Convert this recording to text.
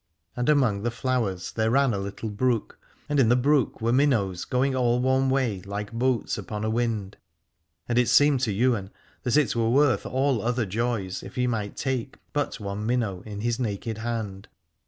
And among the flowers there ran a little brook, and in the brook were minnows going all one way like boats upon a wind ; and it seemed to Ywain that it were worth all other joys if he might take but one minnow in his naked hand.